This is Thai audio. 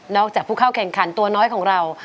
จากผู้เข้าแข่งขันตัวน้อยของเรา